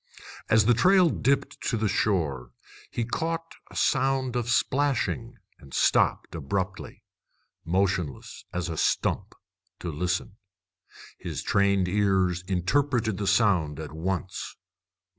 As the trail dipped to the shore he caught a sound of splashing, and stopped abruptly, motionless as a stump, to listen. His trained ears interpreted the sound at once.